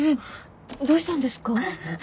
どうしたんですか？